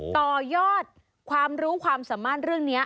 ต่อยอดความรู้ความสามารถเรื่องนี้